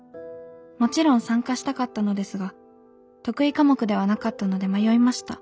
もちろん参加したかったのですが得意科目ではなかったので迷いました。